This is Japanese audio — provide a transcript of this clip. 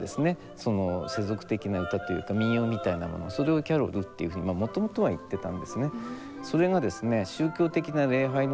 その世俗的な歌っていうか民謡みたいなものそれをキャロルっていうふうにもともとは言ってたんですね。